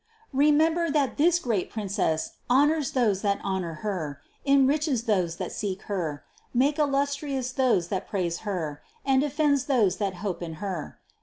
Remember that this great Princess honors those that honor Her, enriches those that seek Her, THE CONCEPTION 247 makes illustrious those that praise Her, and defends those that hope in Her.